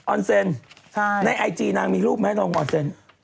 อนเซ็นในไอจีนางมีรูปไหมน้องออนเซ็น